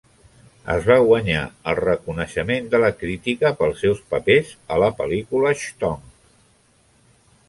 Es va guanyar el reconeixement de la crítica pel seus papers a la pel·lícula "Schtonk!".